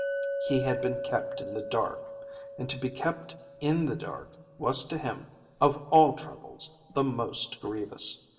He had been kept in the dark, and to be kept in the dark was to him, of all troubles, the most grievous.